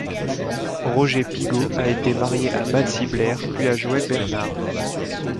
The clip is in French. Roger Pigaut a été marié à Betsy Blair puis à Joëlle Bernard.